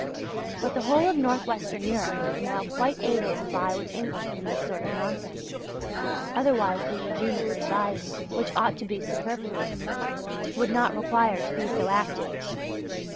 But the whole of North Western Europe is now quite able to vie with England in this sort of nonsense, otherwise the Eugenic Society, which ought to be superfluous, would not require to be so active.